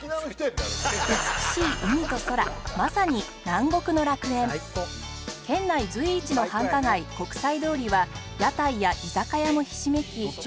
美しい海と空まさに県内随一の繁華街国際通りは屋台や居酒屋もひしめき